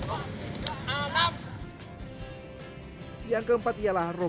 dengan pengelolaan hemat netusi hingga selama lima jam sampai komplimen ecsocute atau